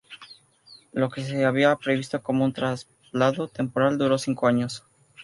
Lo que se había previsto como un traslado temporal duró cinco años.